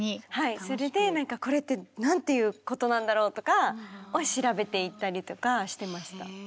それで「これって何ていうことなんだろう？」とか調べていったりとかしてました。